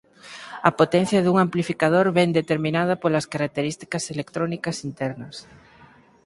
A potencia dun amplificador vén determinada polas características electrónicas internas.